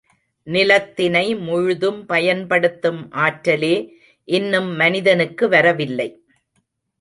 நிலத்தினை முழுதும் பயன்படுத்தும் ஆற்றலே இன்னும் மனிதனுக்கு வரவில்லை.